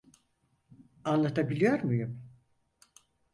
Anlatabiliyor muyum?